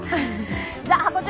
じゃあハコ長